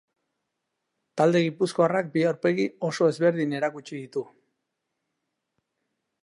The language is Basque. Talde gipuzkoarrak bi aurpegi oso ezberdin erakutsi ditu.